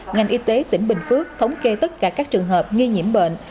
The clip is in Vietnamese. ngành y tế tỉnh bình phước thống kê tất cả các trường hợp nghi nhiễm bệnh